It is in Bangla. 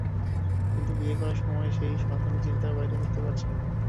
কিন্তু বিয়ে করার সময় সেই সনাতনী চিন্তার বাইরে যেতে পারছে না।